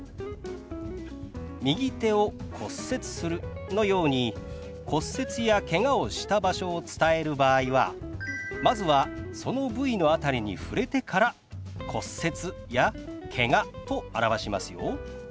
「右手を骨折する」のように骨折やけがをした場所を伝える場合はまずはその部位の辺りに触れてから「骨折」や「けが」と表しますよ。